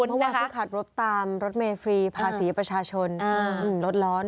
เมื่อวานเพิ่งขับรถตามรถเมย์ฟรีภาษีประชาชนรถร้อน